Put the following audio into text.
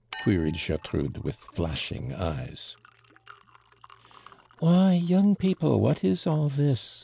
queried Gertrude, with flashing eyes. "Why, young people, what is all this?